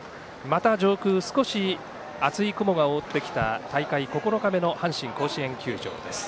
また上空少し厚い雲が覆ってきた大会９日目の阪神甲子園球場です。